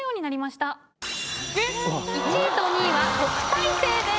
１位と２位は特待生です。